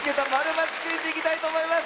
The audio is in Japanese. ○×クイズ」いきたいとおもいます！